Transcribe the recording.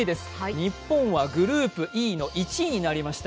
日本はグループＥの１位になりました。